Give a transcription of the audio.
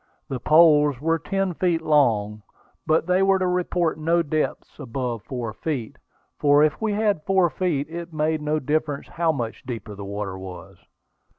The poles were ten feet long, but they were to report no depths above four feet; for if we had four feet, it made no difference how much deeper the water was.